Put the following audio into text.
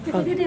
ya udah deh